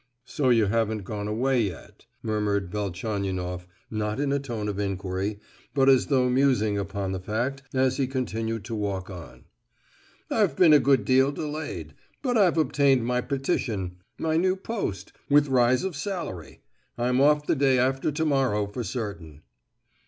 "So you haven't gone away yet!" murmured Velchaninoff, not in a tone of inquiry, but as though musing upon the fact as he continued to walk on. "I've been a good deal delayed; but I've obtained my petition, my new post, with rise of salary. I'm off the day after to morrow for certain."